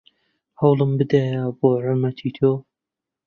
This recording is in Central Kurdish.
هەوڵم بدایێ بۆ حورمەتی تۆ